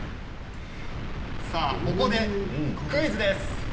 さあ、ここでクイズです。